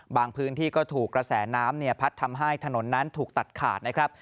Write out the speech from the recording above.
พื้นที่ก็ถูกกระแสน้ำพัดทำให้ถนนนั้นถูกตัดขาดนะครับ